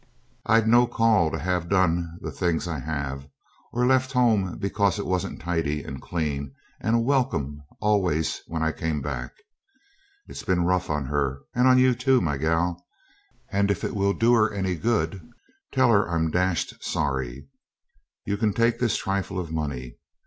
I'd no call to have done the things I have, or left home because it wasn't tidy and clean and a welcome always when I came back. It's been rough on her, and on you too, my gal; and if it'll do her any good, tell her I'm dashed sorry. You can take this trifle of money.